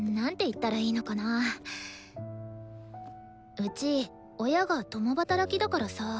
うち親が共働きだからさ